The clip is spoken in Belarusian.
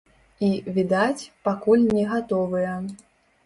І відаць, пакуль не гатовыя.